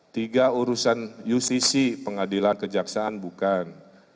tiga urusan ucc pengadilan kejaksaan bukan